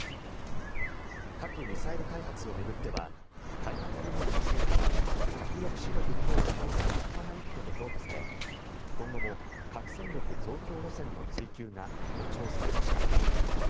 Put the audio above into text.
核・ミサイル開発を巡っては開発部門の成果は核抑止力強化の立派な一歩と評価され今後も核戦力増強路線の追求が強調されました。